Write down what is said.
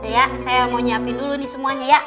ya saya mau nyiapin dulu nih semuanya ya